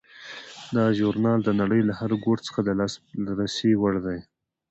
دا ژورنال د نړۍ له هر ګوټ څخه د لاسرسي وړ دی.